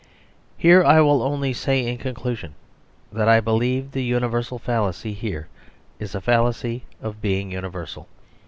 Here I will only say, in conclusion, that I believe the universal fallacy here is a fallacy of being universal.